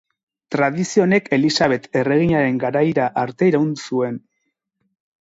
Tradizio honek Elisabet erreginaren garaira arte iraun zuen.